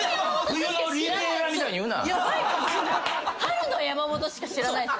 春の山本しか知らないです。